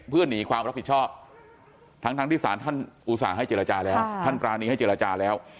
เพื่อนี่ความรับผิดชอบทั้งที่สารท่านอุตส่าห์ให้เจรจาแล้ว